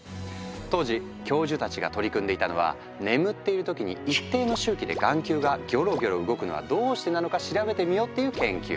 当時教授たちが取り組んでいたのは「眠っているときに一定の周期で眼球がギョロギョロ動くのはどうしてなのか調べてみよう」っていう研究。